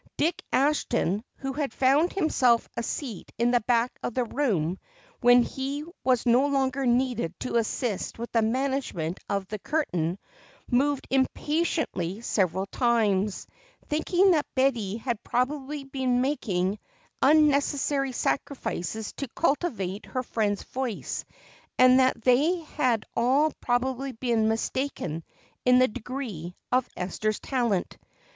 Dick Ashton, who had found himself a seat in the back of the room, when he was no longer needed to assist with the management of the curtain, moved impatiently several times, thinking that Betty had probably been making unnecessary sacrifices to cultivate her friend's voice and that they had all probably been mistaken in the degree of Esther's talent.